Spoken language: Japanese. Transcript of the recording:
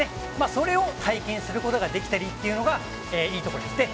それを体験することができたりというのがいいところです。